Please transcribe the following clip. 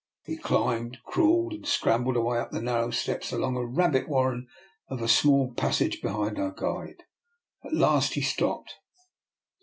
We climbed, crawled, and scrambled our way up the narrow steps and along a rabbit warren of a small passage behind our guide. At last he stopped.